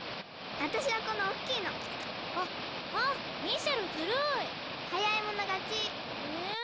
私はこのおっきいのあっあっミシェルずるい早い者勝ちええ？